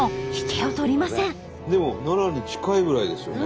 でも奈良に近いぐらいですよね。